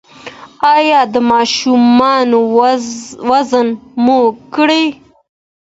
ایا د ماشومانو وزن مو کړی؟